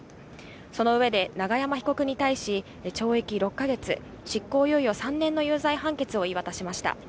その上で永山被告に対し、懲役６か月、執行猶予３年の有罪判決を言い渡しました。